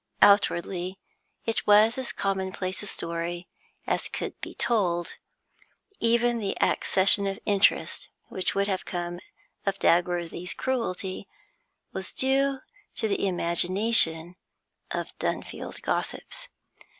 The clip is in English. Outwardly it was as commonplace a story as could be told; even the accession of interest which would have come of Dagworthy's cruelty was due to the imagination of Dunfield gossips.